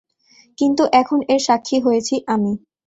কিন্তু এখন এর সাক্ষী হয়েছি আমি।